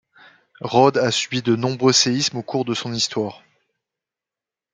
Rhodes a subi de nombreux séismes au cours de son histoire.